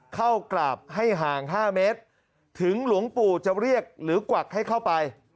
เข้ากราบให้ห่าง๕เมตรถึงหลวงปู่จะเรียกหรือกวักให้เข้าไป